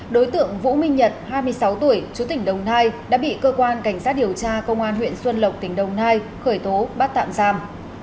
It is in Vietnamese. đối tượng vũ minh nhật hai mươi sáu tuổi chú tỉnh đồng nai đã bị cơ quan cảnh sát điều tra công an huyện xuân lộc tỉnh đồng nai khởi tố bắt tạm giam